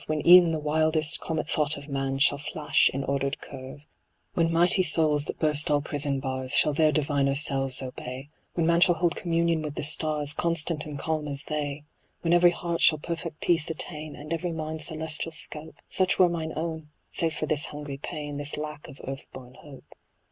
When e'en the wildest comet thought of man Shall flash in ordered curve, When mighty souls, that burst all prison bars. Shall their diviner selves obey. When man shall hold communion with the stars. Constant and calm as they. THE ASTRONOMER. When every heart shall perfect peace attain, And every mind celestial scope ; Such were mine own, save for this hungry pain, This lack of earth born hope.